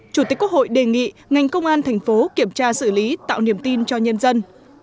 chủ tịch quốc hội đề nghị ngành công an thành phố kiểm tra xử lý tạo niềm tin cho nhân dân